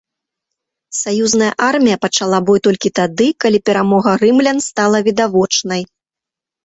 Саюзная армія пачала бой толькі тады, калі перамога рымлян стала відавочнай.